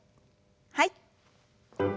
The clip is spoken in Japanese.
はい。